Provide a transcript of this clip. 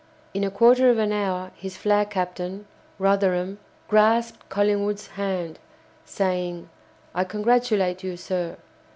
In a quarter of an hour his flag captain, Rotherham, grasped Collingwood's hand, saying: "I congratulate you, sir.